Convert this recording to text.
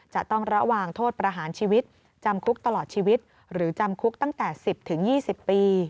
จะต้องระวังโทษประหารชีวิตจำคุกตลอดชีวิตหรือจำคุกตั้งแต่๑๐๒๐ปี